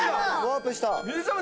ワープした！